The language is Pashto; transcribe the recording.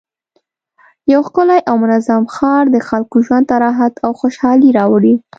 یو ښکلی او منظم ښار د خلکو ژوند ته راحت او خوشحالي راوړي